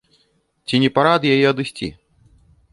Ці не пара ад яе адысці?